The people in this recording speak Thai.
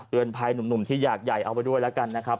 หนุ่มที่อยากใหญ่เอาไปด้วยแล้วกันนะครับ